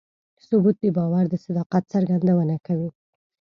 ثبوت د باور د صداقت څرګندونه کوي.